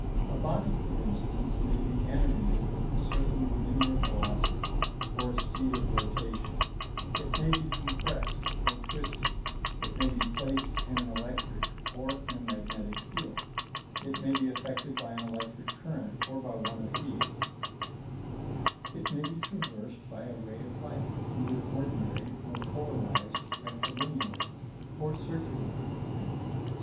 A body, for instance, may be animated with a certain linear velocity or a speed of rotation; it may be compressed, or twisted; it may be placed in an electric or in a magnetic field; it may be affected by an electric current or by one of heat; it may be traversed by a ray of light either ordinary or polarized rectilineally or circularly, etc.